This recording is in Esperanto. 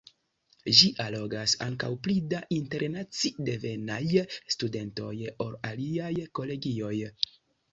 Ĝi allogas ankaŭ pli da internaci-devenaj studentoj ol aliaj kolegioj.